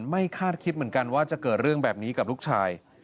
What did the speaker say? คาดคิดเหมือนกันว่าจะเกิดเรื่องแบบนี้กับลูกชาย